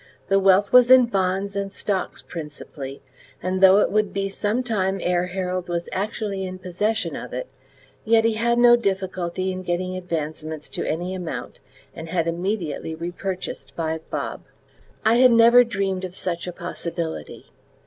The wealth was in bonds and stocks principally, and though it would be some time ere Harold was actually in possession of it, yet he had no difficulty in getting advancements to any amount, and had immediately repurchased Five Bob. I had never dreamed of such a possibility.